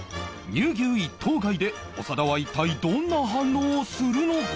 乳牛一頭買いで長田は一体どんな反応をするのか？